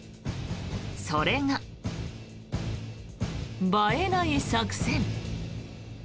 それが映えない作戦。